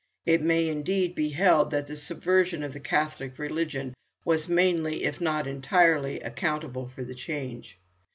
It may, indeed, be held that the subversion of the Catholic religion was mainly, if not entirely, accountable for the change.